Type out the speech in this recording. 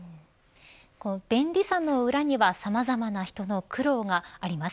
便利さの裏にはさまざまな人の苦労があります。